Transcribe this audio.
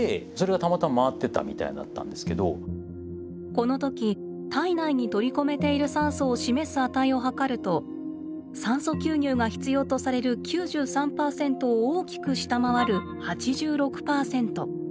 この時体内に取り込めている酸素を示す値をはかると酸素吸入が必要とされる９３％を大きく下回る８６％。